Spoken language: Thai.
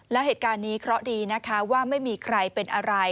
แล้วเหตุการณ์นี้เคราะห์ดีนะคะว่าไม่มีใครเป็นอะไร